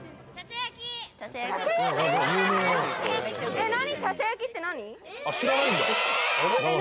えっ？何？